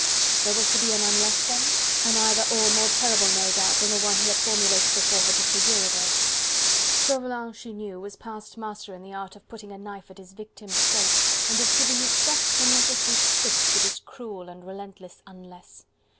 There was to be an "unless" then? An "either or" more terrible no doubt than the one he had formulated before her just a year ago. Chauvelin, she knew, was past master in the art of putting a knife at his victim's throat and of giving it just the necessary twist with his cruel and relentless "unless"!